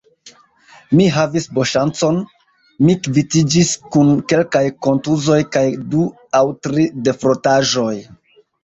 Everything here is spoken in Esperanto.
Mi havis bonŝancon, mi kvitiĝis kun kelkaj kontuzoj kaj du aŭ tri defrotaĵoj.